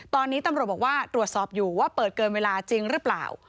ตอนนี้ตำรวจบอกว่าตรวจสอบอยู่ว่าเปิดเกินเวลาจริงหรือเปล่า